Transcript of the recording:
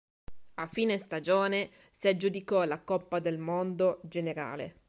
A fine stagione si aggiudicò la Coppa del Mondo generale.